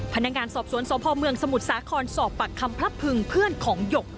พนักงานสอบสวนสพเมืองสมุทรสาครสอบปากคำพลับพึงเพื่อนของหยก